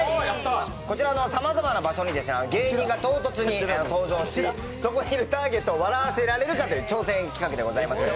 こちらのさまざまな場所に芸人が唐突に登場し、そこにいるターゲットを笑わせられるかという挑戦企画でございます。